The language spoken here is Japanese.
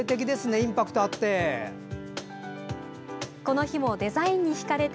インパクトがあって。